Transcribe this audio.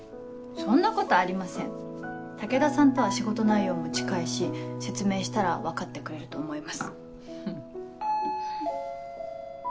そんなことありません武田さんとは仕事内容も近いし説明したら分かってくれると思います。